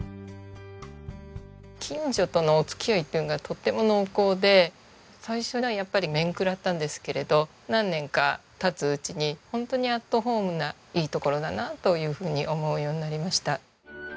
近所とのお付き合いっていうのがとっても濃厚で最初はやっぱり面食らったんですけれど何年か経つうちにホントにアットホームないい所だなというふうに思うようになりました。